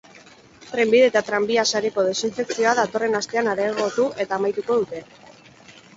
Trenbide eta tranbia sareko desinfekzioa datorren astean areagotu eta amaituko dute.